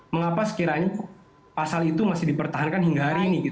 mengapa sekiranya pasal itu masih dipertahankan hingga hari ini